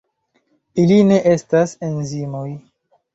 Ili ne estas enzimoj.